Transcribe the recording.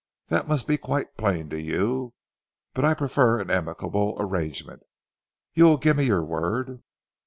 That must be quite plain to you. But I prefer an amicable arrangement.... You will give me your word?"